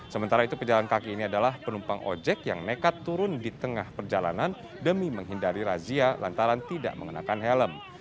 sementara itu pejalan kaki ini adalah penumpang ojek yang nekat turun di tengah perjalanan demi menghindari razia lantaran tidak mengenakan helm